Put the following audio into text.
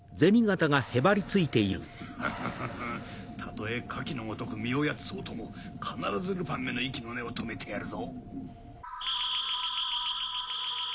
フフフたとえカキのごとく身をやつそうとも必ずルパンめの息の根を止めてやるぞ